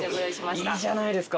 いいじゃないですか！